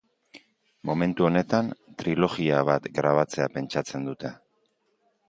Momentu honetan, trilogia bat grabatzea pentsatzen dute.